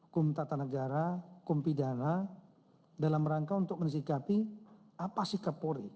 kum tata negara kumpidana dalam rangka untuk menikmati apa sikap polri